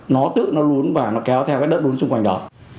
nó tự nó lún và nó kéo theo cái đất đốn xung quanh đó